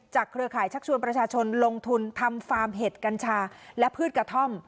เครือข่ายชักชวนประชาชนลงทุนทำฟาร์มเห็ดกัญชาและพืชกระท่อม